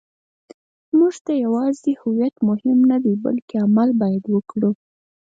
موږ ته یوازې هویت مهم نه دی، بلکې عمل باید وکړو.